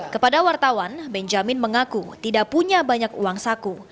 kepada wartawan benjamin mengaku tidak punya banyak uang saku